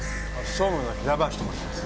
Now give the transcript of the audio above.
総務の平林と申します。